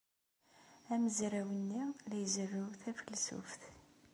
Amezraw-nni la izerrew tafelsuft.